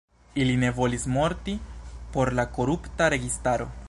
Ili ne volis morti por la korupta registaro.